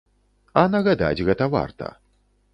А нагадаць гэта варта.